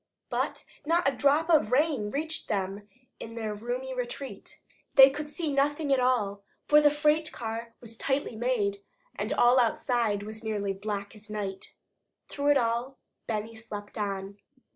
But not a drop of rain reached them in their roomy retreat. They could see nothing at all, for the freight car was tightly made, and all outside was nearly as black as night. Through it all, Benny slept on.